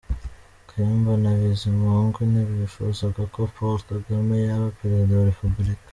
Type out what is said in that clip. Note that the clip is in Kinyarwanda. Kayumba na Bizimungu ntibifuzaga ko Paul Kagame yaba Perezida wa Repubulika